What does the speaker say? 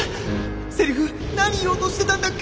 セリフ何言おうとしてたんだっけ？